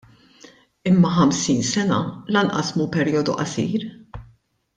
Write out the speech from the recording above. Imma ħamsin sena lanqas mhu perjodu qasir.